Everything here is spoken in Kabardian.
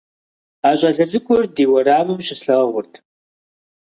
А щӀалэ цӀыкӀур ди уэрамым щыслъагъурт.